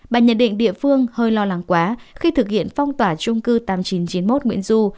bà nhận định địa phương hơi lo lắng quá khi thực hiện phong tỏa chung cư tám mươi chín chín mươi một nguyễn du